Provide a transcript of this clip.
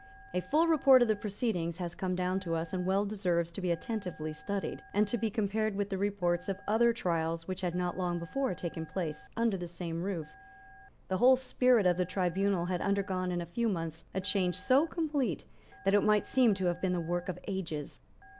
A full report of the proceedings has come down to us, and well deserves to be attentively studied, and to be compared with the reports of other trials which had not long before taken place under the same roof. The whole spirit of the tribunal had undergone in a few months a change so complete that it might seem to have been the work of ages.